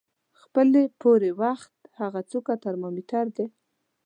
خپلې پورې وخت هغه څوکه ترمامیټر د